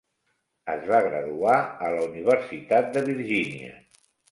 Es va graduar a la Universitat de Virginia.